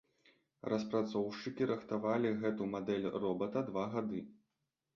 Распрацоўшчыкі рыхтавалі гэту мадэль робата два гады.